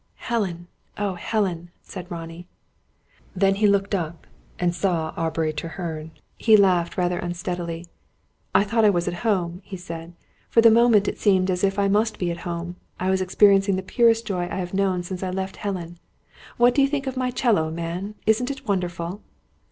"Helen, oh, Helen!" said Ronnie. Then he looked up, and saw Aubrey Treherne. He laughed, rather unsteadily. "I thought I was at home," he said. "For the moment it seemed as if I must be at home. I was experiencing the purest joy I have known since I left Helen. What do you think of my 'cello, man? Isn't it wonderful?"